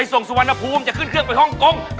มีความรู้สึกว่า